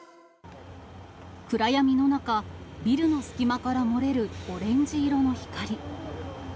暗闇の中、ビルの隙間から漏れるオレンジ色の光。